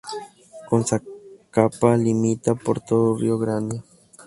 Con Zacapa limita por todo el Río Grande.